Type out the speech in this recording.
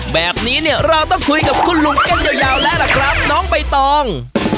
แบบนี้เนี่ยเราต้องคุยกับคุณลุงกันยาวแล้วล่ะครับน้องใบตอง